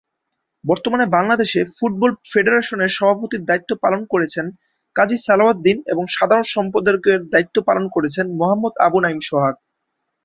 বর্তমানে বাংলাদেশ ফুটবল ফেডারেশনের সভাপতির দায়িত্ব পালন করছেন কাজী সালাউদ্দিন এবং সাধারণ সম্পাদকের দায়িত্ব পালন করছেন মুহাম্মদ আবু নাঈম সোহাগ।